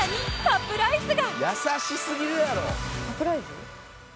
「サプライズ？」